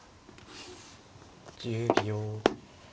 １０秒。